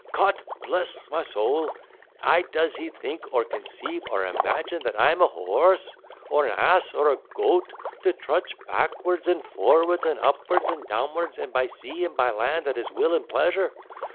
Cot pless my soul I does he think, or conceive, or imagine, that I am a horse, or an ass, or a goat, to trudge backwards and forwards, and upwards and downwards, and by sea and by land; at his will and pleasure?